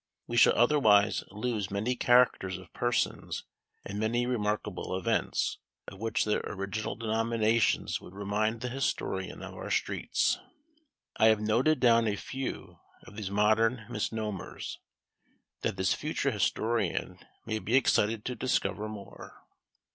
We shall otherwise lose many characters of persons, and many remarkable events, of which their original denominations would remind the historian of our streets. I have noted down a few of these modern misnomers, that this future historian may be excited to discover more.